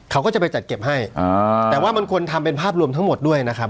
เขาก็จะไปจัดเก็บให้อ่าแต่ว่ามันควรทำเป็นภาพรวมทั้งหมดด้วยนะครับ